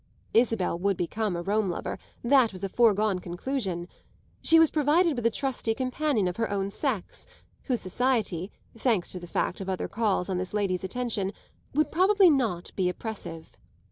Isabel would become a Rome lover; that was a foregone conclusion. She was provided with a trusty companion of her own sex, whose society, thanks to the fact of other calls on this lady's attention, would probably not be oppressive.